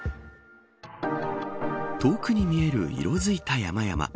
遠くに見える色づいた山々。